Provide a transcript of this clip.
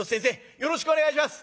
よろしくお願いします。